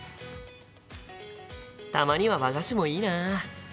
たまには和菓子もいいな。